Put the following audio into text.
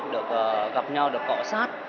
được gặp nhau được cọ sát